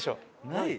ない？